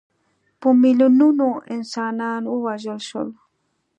په میلیونونو انسانان ووژل شول.